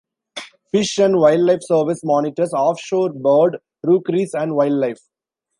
Fish and Wildlife Service monitors offshore bird rookeries and wildlife.